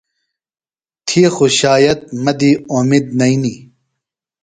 تھی خو شاید مہ دی اُمید نئینی۔